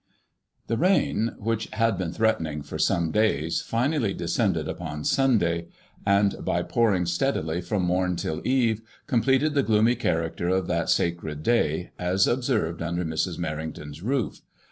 ^ ^^HE rain which h«d been I threateoing for some days finally descended upon Sunday, and by pouring steadily from mom till eve, com pleted the gloomy character of that sacred day, as observed under Mrs. Merrington's roof.